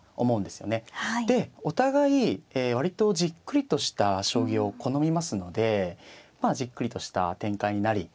でお互い割とじっくりとした将棋を好みますのでまあじっくりとした展開になり。